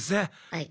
はい。